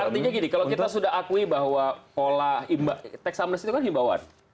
artinya gini kalau kita sudah akui bahwa pola tax amnesty itu kan himbauan